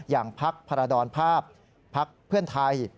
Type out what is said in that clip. อย่างพรรดรภาพพรรภ์เพื่อนไทย